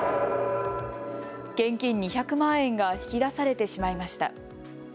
現金２００万円が引き出されてしまいました。